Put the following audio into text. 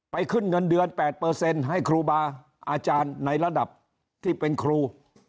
ไปขึ้นเงินเดือนแปดเปอร์เซ็นต์ให้ครูบาอาจารย์ในระดับที่เป็นครู